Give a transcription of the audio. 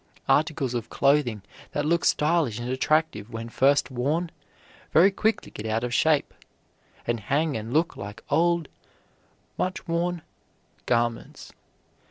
Articles of clothing that look stylish and attractive when first worn, very quickly get out of shape, and hang and look like old, much worn garments.